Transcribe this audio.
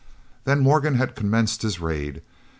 Then Morgan had commenced his raid.